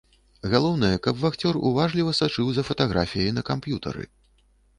Галоўнае, каб вахцёр уважліва сачыў за фатаграфіяй на камп'ютары.